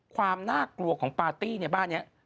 ความน่ากลัวของปาร์ตี้ในบ้านนี้